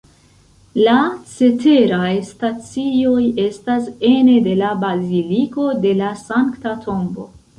La ceteraj stacioj estas ene de la Baziliko de la Sankta Tombo.